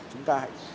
chúng ta hãy